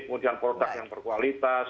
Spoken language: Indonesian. kemudian produk yang berkualitas